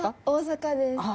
大阪です。